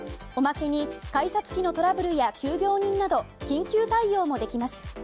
おまけに改札機のトラブルや急病人など緊急対応もできます。